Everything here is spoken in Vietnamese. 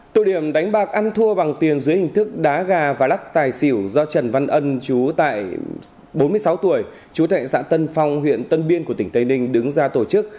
tụ điểm đánh bạc ăn thua bằng tiền dưới hình thức đá gà và lắc tài xỉu do trần văn ân chú tại bốn mươi sáu tuổi chú thạy xã tân phong huyện tân biên của tỉnh tây ninh đứng ra tổ chức